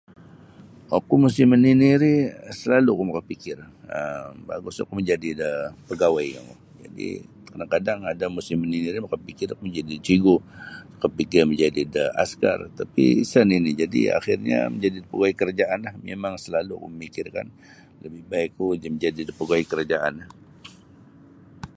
Oku musim manini' ri salalu' oku makapikir um bagus oku majadi da pagawai kangku jadi' kadang-kadang ada musim manini' ri makapikir oku majadi da cigu' makapikir majadi da askar tapi isa' nini' jadi' akhirnyo majadi da pagawai karajaanlah mimang salalu' oku mamikirkan lebih baik ku majadi da pagawai kerajaan.